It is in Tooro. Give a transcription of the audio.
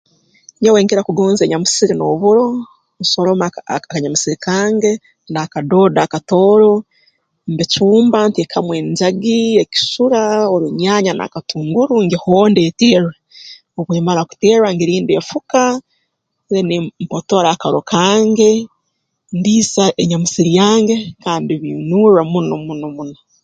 Nyowe nkira kugonza enyamusiri n'oburo nsoroma aka akanyamusiri kange n'akadoodo akatooro mbicumba nteekamu enjagi ekisura orunyaanya n'akatunguru ngihonda eterra obu emara kuterra ngirinda efuka then mpotora akaro kange ndiisa enyamusiri yange kandi biinurra muno muno muno